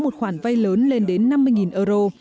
một khoản vay lớn lên đến năm mươi euro